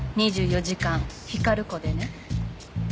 ２４時間ヒカル子でね。